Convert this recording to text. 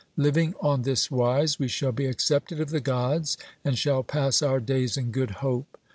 Living on this wise, we shall be accepted of the Gods, and shall pass our days in good hope.